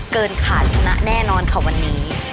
ขาดชนะแน่นอนค่ะวันนี้